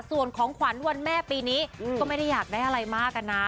ส่วนของขวัญวันแม่ปีนี้ก็ไม่ได้อยากได้อะไรมากนะ